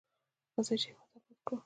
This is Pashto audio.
راځئ چې هیواد اباد کړو.